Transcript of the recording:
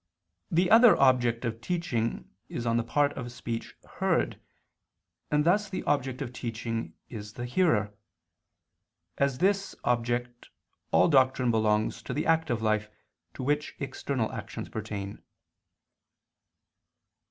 The other object of teaching is on the part of the speech heard, and thus the object of teaching is the hearer. As to this object all doctrine belongs to the active life to which external actions pertain.